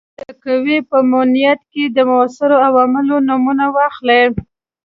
د قوې په مومنټ کې د موثرو عواملو نومونه واخلئ.